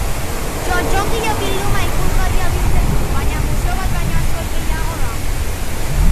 Txotxongilo bilduma ikusgarria biltzen du, baina museo bat baino askoz gehiago da.